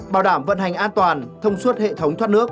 bảo đảm vận hành an toàn thông suốt hệ thống thoát nước